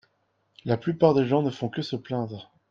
La plupart des gens ne font que se plaindre.